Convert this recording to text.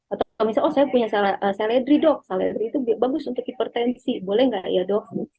atau kalau misalnya oh saya punya seledri dok seledri itu bagus untuk hipertensi boleh nggak ya dok